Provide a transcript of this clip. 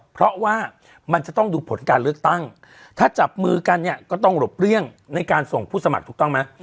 เพราะว่ามันจะต้องดูผลการเลือกตั้งถ้าจับมือกันเนี่ยก็ต้องหลบเลี่ยงในการส่งผู้สมัครถูกต้องไหม